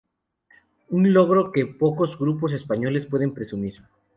Un logro del que pocos grupos españoles pueden presumir.